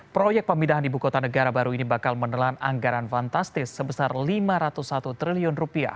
proyek pemindahan ibu kota negara baru ini bakal menelan anggaran fantastis sebesar rp lima ratus satu triliun